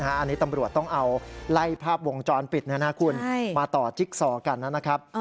อันนี้ตำรวจต้องเอาไล่ภาพวงจรปิดมาต่อจิ๊กซอกันนะครับ